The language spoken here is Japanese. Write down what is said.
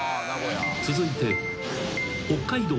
［続いて］